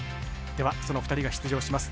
その２人が出場します